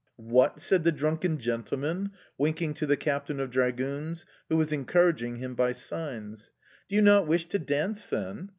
"What?" said the drunken gentleman, winking to the captain of dragoons, who was encouraging him by signs. "Do you not wish to dance then?...